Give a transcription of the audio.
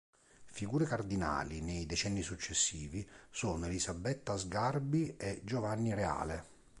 Figure cardinali nei decenni successivi sono Elisabetta Sgarbi e Giovanni Reale.